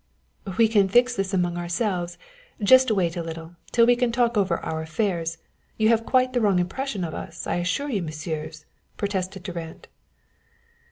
"We can fix this among ourselves just wait a little, till we can talk over our affairs. You have quite the wrong impression of us, I assure you, Messieurs," protested Durand.